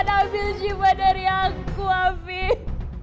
jangan ambil syifa dari aku amin